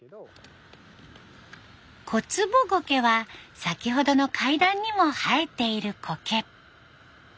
コツボゴケは先ほどの階段にも生えているコケ。